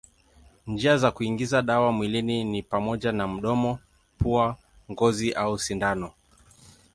Njia za kuingiza dawa mwilini ni pamoja na mdomo, pua, ngozi au sindano.